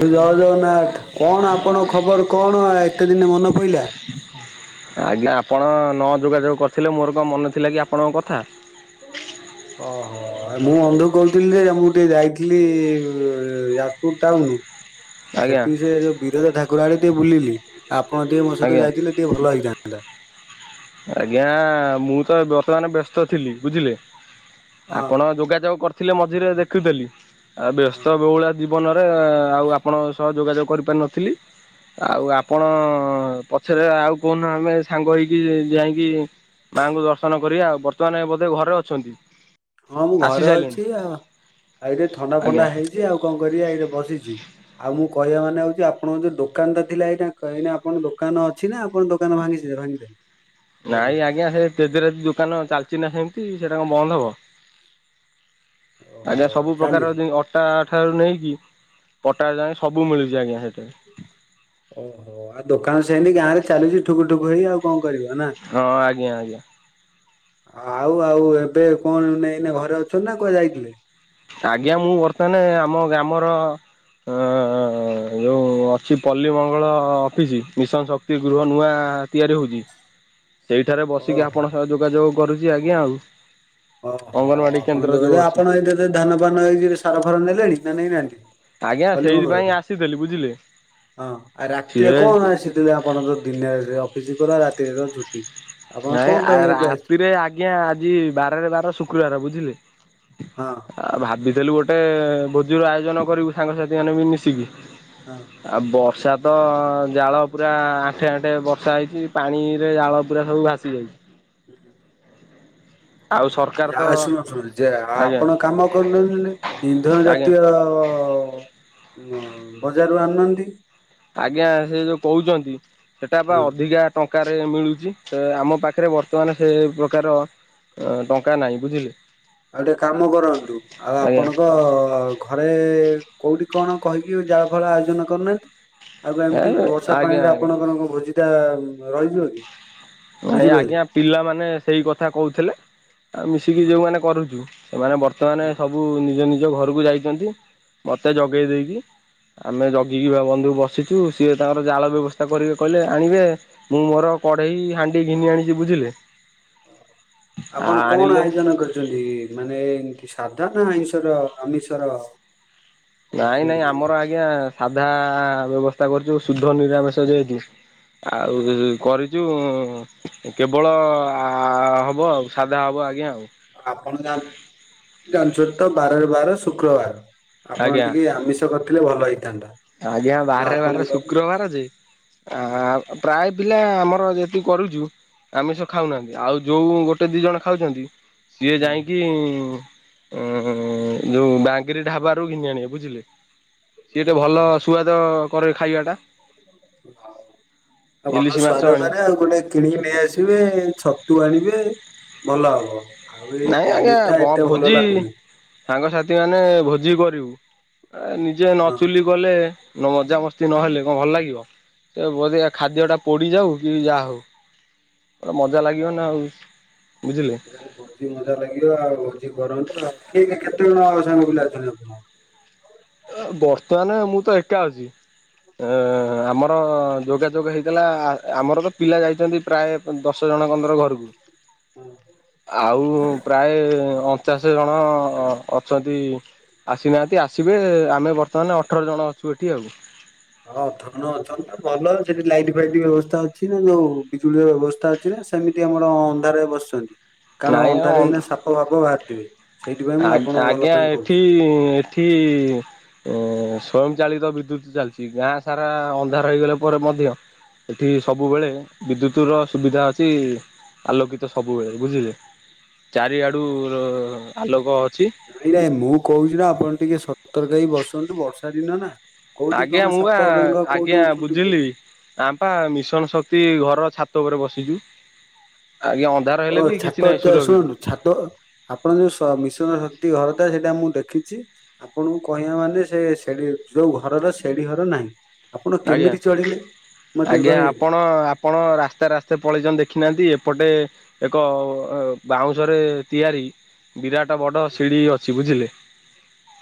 ଜୟ ଜଗନ୍ନାଥ କଣ ଆପଣଙ୍କ ଖବର କଣ ଏତେ ଦିନେ ମନେ ପଡ଼ିଲା? ଆଜ୍ଞା ଆପଣ ନଯୋଗାଯୋଗ କରିଥିଲେ ମୋର କଣ ମନେ ଥିଲାକି ଆପଣଙ୍କ କଥା? [unintelligible] ଓହୋ ମୁଁ ଅନ୍ଧ କହୁଥିଲି ଯେ ମୁଁ ଟିକେ ଯାଇଥିଲି ଯାଜପୁର ଟାଉନ। ଆ ଆଜ୍ଞା ସେଠି ସେ ଯଉ ବିରଜ ଠାକୁର ଆଡେ ଟିକେ ବୁଲିଲି ଆପଣ ଟିକେ ମୋ ସହିତ ଆଜ୍ଞା ଯାଇଥିଲେ ଟିକେ ଭଲ ହେଇଥାନ୍ତା। ଆଜ୍ଞା ମୁଁ ତ ବର୍ତମାନ ବ୍ୟସ୍ତ ଥିଲି ବୁଝିଲେ ହଁ ଆପଣ ଯୋଗାଯୋଗ କରି ଥିଲେ ମଝିରେ ଦେଖୁଥିଲି ଆଉ ହଁ ବ୍ୟସ୍ତ ବଉଳିଆ ଯ ଜୀବନରେ ଆଉ ଆପଣଙ୍କ ସହ ଯୋଗାଯୋଗ କରିପାରିନଥିଲି। ଆଉ ଆପଣ ପଛରେ ଆଉ କହୁନୁ ଆମେ ସାଙ୍ଗ ହେଇକି ଯାଇକି ମାଙ୍କୁ ଦର୍ଶନ କରିବା ଆଉ ବର୍ତ୍ତମାନ ବୋଧେ ଘରେ ଅଛନ୍ତି? ହଁ ମୁଁ ଆସି ଘରେ ସାରିଲେଣି ଅଛି ଆଉ ଆଇରେ ଥଣ୍ଡା ଆଜ୍ଞା ଫଣ୍ଡା ହେଇଛି ଆଉ କଣ କରି ଏଇରେ ବସିଛି। ଆଉ ମୁଁ କହିବା ମାନେ ହଉଛି ଆପଣଙ୍କ ଯୋଉ ଦୋକାନଟା ଥିଲା ଏଇଟା କ କହିି ଆପଣଙ୍କ ଦୋକାନ ଅଛି ନା ଆପଣ ଦୋକାନ ଭାଙ୍ଗି ଭାଙ୍ଗିଦେବେ। ନାଇଁ ଆଜ୍ଞା ସେ ତେରେ ଦୋକାନ ଚାଲିଛି ନା ସେମତି ସେଇଟା କଣ ବନ୍ଦ ହବ। ଓହୋ ଆଜ୍ଞା ସବୁ ପ୍ରକାର ଚାଲିଛି ଠାରୁ ନେଇକି ପଟା ଯାଏ ସବୁ ମିଳୁଛି ଆଜ୍ଞା ସେଠାରେ। ଓହୋ ଆଉ ଦୋକାନ ସେନି ଗାଁ ରେ ଚାଲିୁଛି ଠୁକୁଠୁକୁ ହେଇ ଆଉ କଣ କରିବ ନା? ହଁ ଆଜ୍ଞା ଆଜ୍ଞା ଆଉ ଆଉ ଏବେ କଣ ନେଇନ ଘରେ ଅଛନ୍ତି ନା କୁଆ ଯାଇଥିଲେ? ଆଜ୍ଞା ମୁଁ ବର୍ତ୍ତମାନ ଆମ ଗ୍ରାମର ହ ଯୋଉ ଅଛି ପଲ୍ଲୀ ମଙ୍ଗଳ ଅଫିସ ମିଶନ ଶକ୍ତି। ଗୃହ ନୂଆ ତିଆରି ହଉଛି। [inaudible] ସେଇଠାରେ ଓହୋ ବସିକି ଆପଣଙ୍କ ସହ ଯୋଗାଯୋଗ କରୁଛି ଆଜ୍ଞା ଆଉ। ଓହୋ ଅଙ୍ଗନବାଡି ଆପଣ କେନ୍ଦ୍ର ଦଖ ଯୋଉ ଅଛି। ଆପଣ ଏ ଧାନ ପାନ ଏଇ ସାର ଫାର ନେଲେଣି ନା ନେଇଁନାହାନ୍ତି? ଆଜ୍ଞା ହଲିମଙ୍ଗଳରୁ ସେଇଥିପାଇଁ ଆସିଥିଲି ବୁଝିଲେ ହଁ ଆ ରାତିରେ ସିଏ କଣ ଆସି ଆପଣ ତ ଦିନରେ ଅଫିସ କର ରାତିରେ ତ ଛୁଟି। ଆପଣ ନାଇ କଣ ପାଇଁ ଏବେ ଆସିଥିଲେ? ରାତିରେ ଆଜ୍ଞା ଆଜି ବାରରେ ବାର ଶୁକ୍ରବାର ବୁଝିଲେ। ହଁ। ଆଉ ଭାବିଥିଲୁ ଗୋଟେ ଭୋଜି ର ଆୟୋଜନ କରିବୁ ସାଙ୍ଗସାଥି ମାନେ ବି ମିଶିକି। ହଁ। ଆଉ ବର୍ଷା ତ ଜାଳ ପୁରା ଆଣ୍ଠେ ଆଣ୍ଠେ ବର୍ଷା ହେଇଛି ପାଣି ରେ ଜାଳ ପୁରା ସବୁ ଭାସିଯାଇଛି। ଆଉ ସରକାର ଆ ତ ଶୁଣ ଶୁଣୁ ଯେ ଆଜ୍ଞା ଆପଣ କାମ କରୁନାହାନ୍ତି‌। ଇନ୍ଧନ ଆଜ୍ଞା ଜାତୀୟ ବଜାରରୁ ଆଣୁନାହାନ୍ତି? ଆଜ୍ଞା ସେ ଯୋଉ କହୁଛନ୍ତି ସେଟା ବା ହଁ ଅଧିକାର ଟଙ୍କାରେ ମିଳୁଛି ତ ଆମ ପାଖରେ ବର୍ତ୍ତମାନ ସେ ପ୍ରକାର ଅ ଟଙ୍କା ନାଇଁ ବୁଝିଲେ। ଆଉ ଟିକେ କାମ କରନ୍ତୁ ଆଉ ଆଜ୍ଞା ଆପଣଙ୍କ ଘରେ କୋଉଠି କଣ କହିକି ଜାଳ ଫାଳ ଆୟୋଜନ କରୁନାହାନ୍ତି। ଆଗ ଏ ଏମିତି ବର୍ଷା ଆଜ୍ଞା ପାଣିରେ ଆଜ୍ଞା। ଆପଣଙ୍କାନଙ୍କ ଭୋଜି ଟା ରହିଯିବ କି? ନାଇ ବୁଝିପାରିଲେ। ଆଜ୍ଞା ପିଲାମାନେ ସେଇ କଥା କହୁଥିଲେ ଆଉ ମିଶିକି ହଁ ଯୋଉମାନେ କରୁଛୁ ସେମାନେ ବର୍ତ୍ତମାନ ହଁ ସବୁ ନିଜ ନିଜ ଘରକୁ ଯାଇଛନ୍ତି ମତେ ହଁ। ଜଗେଇ ଦେଇକି। ଆମେ ଜଗିକି ବା ବନ୍ଧୁ ବସିଛୁ ସିଏ ତାଙ୍କର ଜାଳ ବ୍ୟବସ୍ଥା କରିକି କହିଲେ ଆଣିବେ। ମୁଁ ମୋର କଢେଇ, ହାଣ୍ଡି ଘିନି ଆଣିଛି ବୁଝିଲେ ଆ ଆଣିଲେ କରୁଛନ୍ତି। ମାନେ ଏମତି ସାଧା ନା ଆଇିଷର ଆମିଷର ନାଇଁ କରିଛନ୍ତି ନାଇଁ ଯୋଉ ହଁ ଆମର ଆଜ୍ଞା ସାଧା ବ୍ୟବସ୍ଥା କରୁଛୁ ଶୁଦ୍ଧ ନିରାମିଷ ଯେହତୁ। ଆଉ କରିଚୁ କେବଳ ହବ ଆଉ ସାଧା ହବ ଆଜ୍ଞା ଆଉ। ଆପଣ ଜାଣି ଜାଣିଛନ୍ତି ତ ବାରରେ ବାର ଶୁକ୍ରବାର ଆପଣ ଆଜ୍ଞା ଟିକେ ଆମିଷ ତ କରିଥିଲେ ଭଲ ହେଇଥାନ୍ତା। ଆଜ୍ଞା ଆଉ ବାରରେ ବାରରେ ଆପଣଙ୍କର ଶୁକ୍ରବାର ଯେ ହୁଁ ଆ ଅ, ପ୍ରାୟ ପିଲା ଆମର ଯେତିକି କରୁଚୁ ଆମିଷ ଖାଉନାହାନ୍ତି, ଆଉ ଯୋଉ ଗୋଟେ ଦି ଜଣ ଖାଉଛନ୍ତି ସିଏ ଯାଇକି ଅ, ଯୋଉ ବାଙ୍ଗିରି ଢାବାରୁ ଘିନି ଆଣିବେ ବୁଝିଲେ? ସେ ଭଲ ସୁଆଦ କରେ ଖାଇବା ଟା। ଆଉ ଭଲ ଇଲିଶି ମାଛ ସୁଆଦ ଆଣି କରେ ଆଉ ଗୋଟେ କିଣିକି ନେଇଆସିବେ ଛତୁ ଆଣିବେ ଭଲ ହବ। ଆଉ ଏଇ ନାଇଁ ଆଜ୍ଞା ପନିର୍ ଟା ଭ ଏତେ ଭଲ ଭୋଜି ଲାଗୁନି। ସାଙ୍ଗସାଥି ମାନେ ଭୋଜି କରିବୁ, ଅ, ନିଜେ ନ ହଁ ଚୁଲି ଗଲେ ନ ମଜାମସ୍ତି ନହେଲେ କଣ ଭଲ ଲାଗିବ? ସେ ବୋଧ ଏ ଖାଦ୍ୟ ଟା ପୋଡ଼ିଯାଉ କି ଯାହା ହଉ। ଓ ମଜା ଲାଗିବ ହଁ ନା ଆଉ ବୁଝିଲେ। ତି ମଜା ଲାଗିବ, ଆଉ ଭୋଜି କରନ୍ତୁ, ଆଉ କିଏ ଯେ କେତେ ଜଣ ଆମ ସାଙ୍ଗ ପିଲା ଅଛନ୍ତି ଆପଣ? ବର୍ତ୍ତମାନ ମୁଁ ତ ଏକା ଅଛି। ଅ, ଆମର ଯୋଗାଯୋଗ ହେଇଥିଲା ଆ, ଆମର ତ ପିଲା ଯାଇଛନ୍ତି ପ୍ରାୟ ଦଶ ଜଣଙ୍କତୁର ଘରକୁ। ଆଉ ପ୍ରାୟ ଅ ପଚାଶ ଜଣ ଅଛନ୍ତି ଆସିନାହାନ୍ତି ଆସି ଥିବେ ଆମେ ବର୍ତ୍ତମାନ ଅଠର ଜଣ ଅଛୁ ଏଠି ଆଉ। ଅଧ ଖଣ୍ଡେ ଅଛନ୍ତି ତ ଭଲ, ସେଠି ଲାଇଟ୍ ଫାଇଟ୍ ବ୍ୟବସ୍ଥା ଅଛି ନା? ଯୋଉ ବିଜୁଳିର ବ୍ୟବସ୍ଥା ଅ ଛି ନା ସେମିତି ଆମର ଅନ୍ଧାରରେ ବସିଛନ୍ତି, କାରଣ ନାଇଁ ଅନ୍ଧାର ଏଇନା ସାପ ଫାପ ବାହାରିଥିବେ। ସେଇଥିପାଇଁ ମୁଁ ଆଇ, ଆପଣଙ୍କ ଭଲ ଆଜ୍ଞା ପାଇଁ କହୁଛି। ଏଠି ଏଠି ଅ, ସ୍ଵୟଂ ଚାଳିତ ବିଦ୍ୟୁତ ଚାଲିଛି, ଗାଁ ସାରା ଅନ୍ଧାର ହୋଇଗଲେ ପରେ ମଧ୍ୟ ସେଠି ସବୁବେଳେ ବିଦ୍ୟୁତ ର ସୁବିଧା ଅଛି। ଆଲୋକିତ ସବୁବେଳେ, ବୁଝିଲେ ଚାରିଆଡୁ ର -ହ-ଆଲୋକ ଅଛି। ନାଇଁ ନାଇ ମୁଁ କହୁଛି ନା ଆପଣ ଟିକେ ସତର୍କ ହେଇ ବସନ୍ତୁ ବର୍ଷା ଦିନ ନା। କୋଉଠି କଣ ଆଜ୍ଞା ମୁଁ ସାପ ବା ବେଙ୍ଗ କୋଉଠି ଆଜ୍ଞା ଉଠୁଥିବେ ବୁଝିଲି। ଆମ ପା ମିଶନ ଶକ୍ତି ଘରର ଛାତ ଉପରେ ବସିଛୁ। ଆଜ୍ଞା ଅନ୍ ଦାର ଓ ହେଲେ ବି ଛାତ କିଛି ନାହିଁ ଚା ସୁରକ୍ଷିତ। ଶୁଣନ୍ତୁ ଛାତ, ଆପଣ ଯୋଉ ସ-ମିଶନ ଶକ୍ତି ଘର ଟା ସେଟା ମୁଁ ଦେଖିଛି। ଆପଣଙ୍କୁ କହିବା ମାନେ ସେ ସେଡି ଯୋଉ ଘରର ସେଡି ଘର ନାହିଁ। ଆପଣ ଆଜ୍ଞା କେମିତି ଚଢିଲେ ମୋତେ ଆଜ୍ଞା କହିବେ କି? ଆପଣ ଆପଣ ରାସ୍ତା ରାସ୍ତା ପଳେଇଚନ୍ ଦେଖିନାହାନ୍ତି ଏପଟେ ଏକ ଏ ବାଉଁଶରେ ତିଆରି ବିରାଟ ବଡ ସିଡି ଅଛି ବୁଝିଲେ।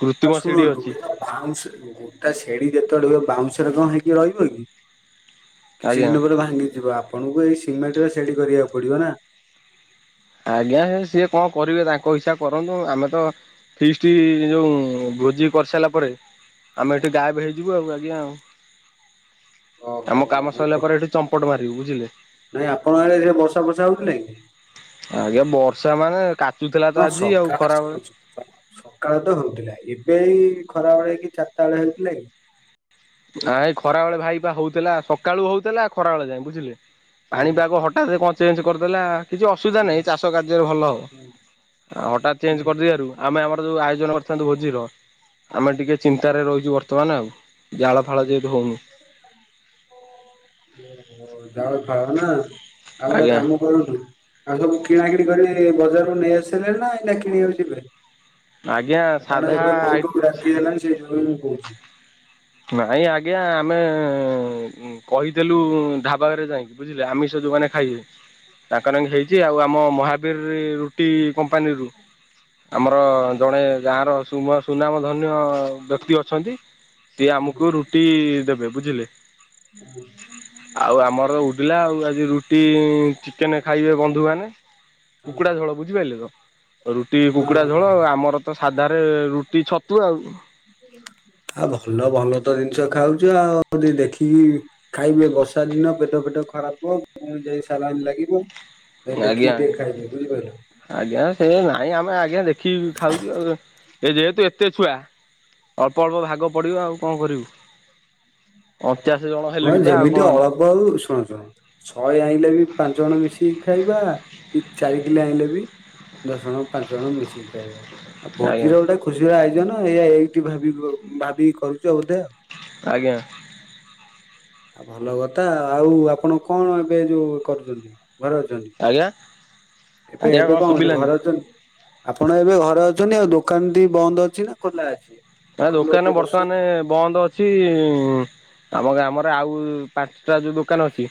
କୃତ୍ରିମ ଆଉ ସିଢି ଶୁଣନ୍ତୁ ଅଛି ବାଉଁଶ ଗୋଟା ସେଡି ଯେତେବେଳେ ବାଉଁଶ ରେ କଣ ହେଇକି ରହିବ କି? କିଛି ଆଜ୍ଞା ଦିନ ପରେ ଭାଙ୍ଗିଯିବ, ଆପଣଙ୍କୁ ଏଇ ସିମେଣ୍ଟରେ ସେଡି କରିବାକୁ ପଡିବ ନା। ଆଜ୍ଞା ସିଏ କଣ କରିବେ ତାଙ୍କ ହିସା କରନ୍ତୁ, ଆମେ ତ ଫିଷ୍ଟି ଯୋଉ ଭୋଜି କରିସାଇଲା ପରେ ଆମେ ଏଠି ଗାପ ହେଇଯିବୁ ଆଉ ଆଜ୍ଞା ଆଉ। ଓହୋ ଆମ କାମ ସଇଲା ପରେ ଏଠି ଚମ୍ପଟ ମାରିବି ବୁଝିଲେ। ନା ଆପଣଙ୍କ ଆଳେ ଏଇଖିଣା ବର୍ଷ ଫର୍ଷା ହଉଥିଲା କି? ଆଜ୍ଞା ବର୍ଷା ମାନେ, କାଚୁଥିଲା ହଁ ତ ଆଜି ଆଉ ସକାଳେ ଖରାବେଳେ ସକାଳେ ତ ହଉଥିଲା, ଏବେ ଖରା ବେଳେ କି ଚାରିଟା ବେଳେ ହଉଥିଲା କି? ଆ ଏ ଖରା ବେଳେ ଭାଇ ବା ହଉଥିଲା, ସକାଳୁ ହଉଥିଲା ଖରା ବେଳେ ଯାଏ ବୁଝିଲେ। ହଁ ପାଣିପାଗ ହଠାତ୍ କଣ ଚେଞ୍ଜ କରିଦେଲା। କିଛି ଅସୁବିଧା ହୁଁ ନାହିଁ, ଚାଷ କାର୍ଯ୍ୟରେ ଭଲ ହବ। ହୁଁ ଆ ହଠାତ୍ ଚେଞ୍ଜ ହୁଁ କରିଦେଲାରୁ ଆମେ ଆମର ଯେଉଁ ଆୟୋଜନ କରିଥାନ୍ତୁ ଭୋଜିର, ଆମେ ହୁଁ ଟିକିେ ଚିନ୍ତାରେ ରହୁଛୁ ବର୍ତ୍ତମାନ ଆଉ। ଜାଳ ଫାଳ ଯେହେତୁ ହେଉନି। ଓହୋ ଜାଳ ଫଳ ନା ଆଉ ଗୋଟେ ଆଜ୍ଞା କାମ କରନ୍ତୁ ଆଉ ସବୁ କିଣା କିିଣି କରି, ବଜାରରୁୁ ନେଇ ଆସିଲେ ନା ଏଇ କିଣିବାକୁ ଯିବେ? ଆଜ୍ଞା କାରଣ ସାଧା ଏବେ ଆଇ ବୋଉତୁ ରାତି ହେଲାଣି, ସେଇ ଯୋଗୁ, ମୁଁ କହୁଛି ନାଇଁ ଆଜ୍ଞା ଆମେ କହିଥିଲୁ ଢାବାଘରେ ଯାଇକି, ବୁଝିଲେ ଆମିଷ ଯୋଉମାନେ ଖାଇବେ ତାଙ୍କ ନାଗି ହେଇଛି ଆଉ ଆମ ମହାବୀର ରୁଟି କପାନୀରୁ, ଆମର ଜଣେ ଗାର ସୁନାମ ଧରି ନିଅ, ବ୍ୟକ୍ତି ଅଛନ୍ତି ସିଏ ହଁ ଆମକୁ ରୁଟି ଦେବେ, ବୁଝିଲେ ହଁ ଆଉ ଆମର ପିଲା ଆଉ ଆଜି ରୁଟି ଚିକେନ ଖାଇବେ ବନ୍ଧୁମାନେ ହଁ। କୁକୁଡ଼ା ଝଳ ବୁଝିପାରିଲେ ତ? ରୁଟି ହଁ, କୁକୁଡ଼ା ଝୋଳ, ହଁ। ଆ ଆମର ତ ସାଧାରେ ରୁଟି ଛତୁ ଆଉ। ଆ ଭଲ ଭଲ ତ ଜିନିଷ ଖାଉଛୁ ଆଉ, ଯି ଦେଖିକି ଖାଇବେ ବର୍ଷା ଦିନ ପେଟ ଫେଟ ଖରାପ, ପୁଣି ଯାଇକି ସାଲାଇନ ଲାଗିବ। ଦେଖିକି ଆଜ୍ଞା ଟିକେ ଆଜ୍ଞା ଖାଇବବେ ବୁଝିଲେ। ଆଜ୍ଞା ସେ ନାଇଁ ଆମେ ଆଜ୍ଞା, ଦେଖିକି ଖାଉଛୁ ଆଉ। ଏ ଯେହେତୁ ଏତେ ଛୁଆ, ଅଳ୍ପ ଅଳ୍ପ ଭାଗ ପଡିବ ଆଉ କଣ କରିବୁ? ଅଣଚାଅଶୀ ଜଣ ହେଲେଣି ପା ଆଉ କଣ ବହୁ ଶୁଣ ଶୁଣ ଶହେ ଆଣିଲେ ବି ପାଞ୍ଚ ଜଣ ମିଶିକି ଖାଇବା, କି ଚାରି କିଲେ ଆଣିଲ ବି ଦଶ ଜଣ ପାଞ୍ଚ ଜଣ ମିଶିକି ଖାଇବା ଆଉ ଆଜ୍ଞା ଭୋଜିର ଗୋଟେ ଖୁସିର ଆୟୋଜନ, ଏଇ ଏଇଠି ଭାବ ଭାବିକି କରୁଛୁ ବୋଧେ ଆଉ। ଆଜ୍ଞା। ହ ଆ ଭଲ କଥା ଆଉ ଆପଣ କଣ ଏବେ ଯୋଉ କରୁଛନ୍ତି, ଘରେ ଅଛନ୍ତି? ଆଜ୍ଞା। ଏବେ ଆଜ୍ଞା ଏବେ କଣ କରଛି ଶୁଭିଲାନି। ଘରେ ଅଛନ୍ତି? ଆପଣ ଏବେ ଘରେ ଅଛନ୍ତି, ଆଉ ଦୋକାନଟି ବନ୍ଦ ଅଛି ନା ଖୋଲା ଅଛି? ଏ ଘର ଲୋକ ଦୋକାନ କିଏ ବର୍ତ୍ତମାନ ବସୁଛନ୍ତି ବନ୍ଦ ଅଛି ଅଛି ଗାଁ ଆମର ଆଉ ପାଞ୍ଚଟା ଯୋଉ ଦୋକାନ ଅଛି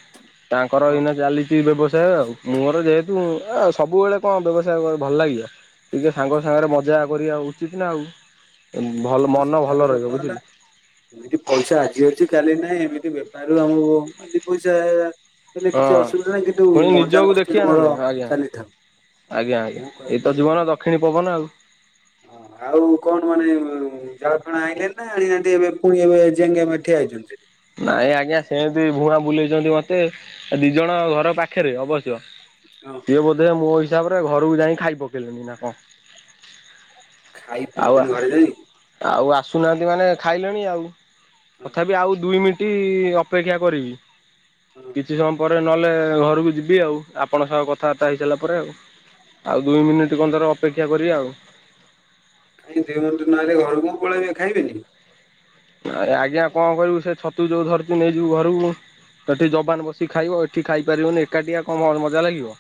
ତାଙ୍କର ହଁ ଏଇନା ଚାଲିଛି ବ୍ୟବସାୟ ଆଉ, ମୋର ଯେହେତୁ ଆଉ ସବୁବେଳେ କଣ ବ୍ୟବସାୟ ଭଲ ଲାଗିବ? ଟିକେ ସାଙ୍ଗ ସାଙ୍ଗରେ ମଜା କରିବା ଉଚିତ୍ ନା ଆଉ। ଭଲ ହଁ ମନ ସେଟା ବି ଭଲ ସତ ରହିବ କଥା। ବୁଝିଲେ। ଏମିତି ପଇସା ଆଜି ଅଛି କାଲି ନାହିଁ ଏମିତି ବେପାରରୁ ଆଉ ଦି ପଇସା। ହେଲେ କିଛି ହଁ ଅସୁବିଧା ନାହିଁ, କିନ୍ତୁ ପୁଣି ମଜା ନିଜକୁ ମସ୍ତି ଦେଖିବା ନା ଆମର ନାଇଁ ଆଜ୍ଞା ଚାଲିଥାଉ। ଆଜ୍ଞା ଆଜ୍ଞା ମୁଁ କହିଲି ଏଇତ ଆଉ। ଯିବନ ଦକ୍ଷିଣୀ ପବନ ଆଉ। ହଁ ଆଉ କଣ ମାନେ? ଜାଳଣ ଆଇିଲେ ନା ଆଣିନାହାନ୍ତି ଏବେ ପୁଣି ଏବେ ଯିେ ଆମେଠିଆ ହେଇଛନ୍ତି। ନାଇଁ ଆଜ୍ଞା ସେମିତି ଭୁଣା ବୁଲେଇଛନ୍ତି ମତେ ଆ ଦି ଜଣ ଘର ପାଖରେ ଅବଶ୍ୟ। [unintelligible] ସିଏ ବୋଧେ ମୋ ହିସାବରେ ଘରକୁ ଯାଇ ଖାଇ ପକେଇଲେନି ନା କଣ? ଖାଇ ଆଉ ପକେଇଲେଣି ଘରେ ଯାଇ ହଁ ଆଉ ଆସୁନାହାନ୍ତି ମାନେ ଖାଇଲେଣି ଆଉ। ତଥାପି ଆଉ ଦୁଇ ମିନିଟ ଅପେକ୍ଷା କରିବି। ହଁ କିଛି ସମୟ ପରେ ନହେଲେ ଘରକୁ ଯିବି ଆଉ ଆପଣଙ୍କ ସହ କଥାବାର୍ତ୍ତା ହେଇସାରିଲା ପରେ ଆଉ। ଆଉ ଦୁଇ ମିନିଟ୍ କନ୍ଦର ଅପେକ୍ଷା କରିବା ଆଉ। କାଇଁ ଦିଇ ଘଣ୍ଟ ନହଲେ ଘର କ ପଳେଇବି ଖାଇବବେନି? ନ ଆଜ୍ଞା କଣ କରିବୁ ସେ ଛତୁ ଯୋଉ ଧରିଚୁ ନେଇଯିବୁ ଘରକୁ। ତ ଏଠି ଯବାନ ବସି ଖାଇବ ଏଠି ଖାଇପାରିବନି ଏକାଠିଆ କଣ ମଜା ଲାଗିବ।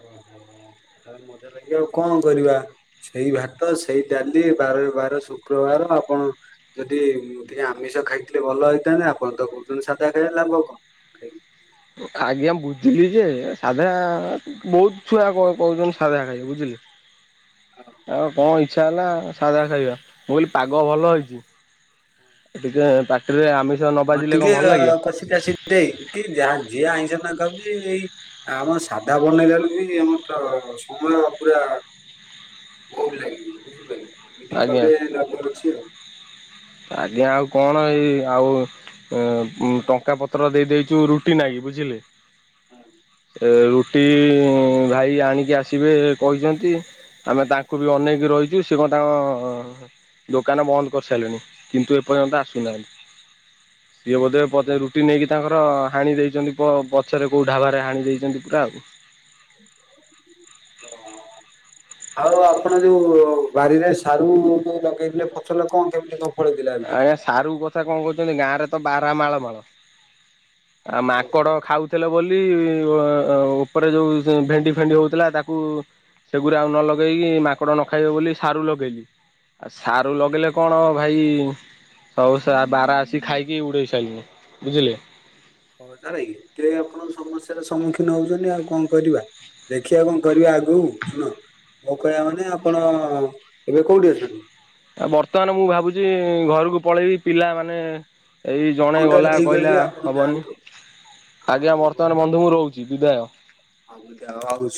ଓହୋ ମଜା ଲାଗିବ ଆଉ କଣ କରିବା? ସେଇ ଭାତ ସେଇ ଡାଲି ବାର ବାର ଶୁକ୍ରବାର ଆପଣ ଯଦି ମୁଁ ଟିକେ ଆମିଷ ଖାଇଥିଲଥିଲେ ଭଲ ହେଇଥାନ୍ତେ ଆପଣ ତ କହୁଛନ୍ତି ସାଧା ଖାଇବା ଲାଭ କଣ? ଖାଇକି ଆଜ୍ଞା ବୁଝିଲି ଯେ ସାଧା ବହୁତ ଛୁଆ କହୁଛନ୍ତି ସାଧା ଖାଇବା ବୁଝିଲେ ଆଉ କଣ ହେଇ ଇଛା ହେଲା ସାଧା ଖାଇବା ମୁଁ କହିଲି ପାଗ ଭଲ ହେଇଛି ଟିକେ ଏବେ ଆମିଷ ନ ହଁ ବାଜିଲେ ଟିକେ କଣ ଭଲ ଲାଗିବ? [unintelligible] ଯାହା ଯିଏ ଆଇଁଷ ନା ଖାଉଛି ଏଇ ଆମ ସାଧା ବନେଇଲାଲୁ କି ଆମର ତ ସମୟ ପୁରା ଭହୁଲ ଲାଗିବ ବୁଝିପାରିଲେ ଏଇଠି ଆଜ୍ଞା। କଲେ ଲବର ଅଛି ଆଉ। ଆଜ୍ଞା ଆଉ କଣ ଏଇ ଆଉ ଟଙ୍କା ପତ୍ର ଦେଇ ଦେଇେଇଛୁ ରୁଟି ନାଇ କି ବୁଝିଲେ? ରୁଟି ଭାଇ ଆଣିକି ଆସିବେ କହିଛନ୍ତି। ଆମେ ତାଙ୍କୁ ବି ଅନେେଇକି ରହିଛୁ ସେ କଣ ତାଙ୍କ ଦୋକାନ ବନ୍ଦ କରିସାରିଲେଣି। କିନ୍ତୁ ଏପର୍ଯ୍ୟନ୍ତ ଆସୁନାହାନ୍ତି ସିଏ ବୋଧେ ପଡେ ରୁଟି ନେଇକି ତାଙ୍କର ପ ହାଣି ଦେଇଛନ୍ତି ପଛରେ କୋଉ ଢାାବାରେ ହାଣି ଦେଇଛନ୍ତି ପୁରା ଆଉ। ହଁ ଆଉ ଆପଣ ଯୋଉ ବାରିରେ ସାରୁ ଯୋଉ ଲଗେଇଥିଲେ ପଚଲ କଣ କେମିତି କନ ଆଜ୍ଞା ସାରୁ କଥା କଣ କହୁଛନ୍ତି ଗାଁରେ ତ ବାରା ମାଳ ମାଳ। ଆଉ ମାଙ୍କଡ ଓହୋ ଖାଉଥିଲେ ବୋଲି ଉପରେ ଯୋଉ ଭେଣ୍ଡି ଫେଣ୍ଡି ହଉଥିଲା ତାକୁ ସେଗୁରୁ ଆଉ ନ ଲଗେଇକି ମାକଡ ନ ଖାଇବେ ବୋଲି ସାରୁ ଲଗେଇଲି ଆଉ ସାରୁ ଲଗେଇଲେ କଣ ହବ ଭାଇ ସଉସ ବାର ଆସିକି ଖାଇକି ଉଡ଼େଇ ସାରିଲଣି ବୁଝିଲେ? ହଉ ତାଲେ ଆପଣ ସମସ୍ୟାର ସମ୍ମୁଖୀନ ହଉଛନ୍ତି ଆଉ କଣ କରିବା ଦେଖିବା କଣ କରିବା ଆଉ? ହୁ ଶୁଣ ମୋ କହିବା ମାନେ ଆପଣ ଏବେ କୋଉଠି ଅଛନ୍ତି? ଆ ବର୍ତ୍ତମାନ ମୁଁ ଭାବୁଛି ଘରକୁ ପଳେଇବି ପିଲାମାନେ ଏଇ ଜଣେ ହଉ ତାହେଲେ ଗଲା ଠିକ ଅଛି କହିଲା ଆପଣ ହେବନି। ଯାଆନ୍ତୁ। ଆଉ ଆଜ୍ଞା ଆମେ ପରେ ବର୍ତ୍ତମାନ କଥା ବନ୍ଧୁ ମୁଁ ହବା ରହୁଛି ବିଦାୟ। [unintelligible]